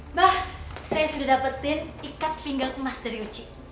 mbah saya sudah dapetin ikat pinggang emas dari uci